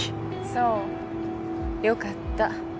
そう良かった。